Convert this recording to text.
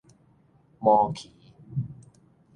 毛蜞